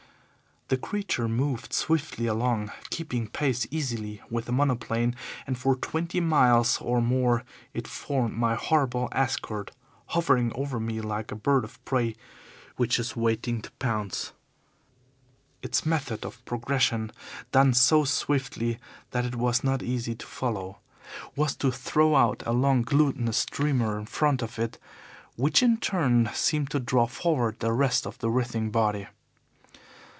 The creature moved swiftly along, keeping pace easily with the monoplane, and for twenty miles or more it formed my horrible escort, hovering over me like a bird of prey which is waiting to pounce. Its method of progression done so swiftly that it was not easy to follow was to throw out a long, glutinous streamer in front of it, which in turn seemed to draw forward the rest of the writhing body.